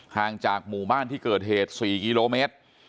ห่างจากหมู่บ้านที่เกิดเหตุ๔กิโลเมตร